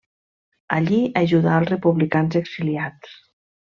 Allí ajudà als republicans exiliats.